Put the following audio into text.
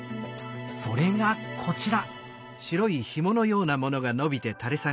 それがこちら！